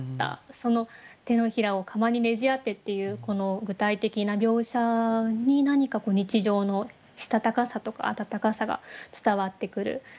その「手のひらを釜に捩ぢ当て」っていうこの具体的な描写に何か日常のしたたかさとか温かさが伝わってくる。